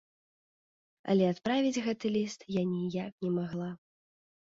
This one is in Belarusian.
Але адправіць гэты ліст я ніяк не магла.